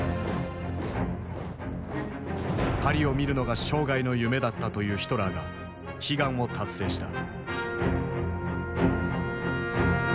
「パリを見るのが生涯の夢だった」というヒトラーが悲願を達成した。